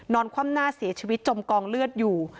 คว่ำหน้าเสียชีวิตจมกองเลือดอยู่